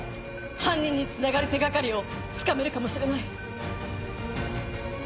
犯人につながる手掛かりをつかめるかもしれない。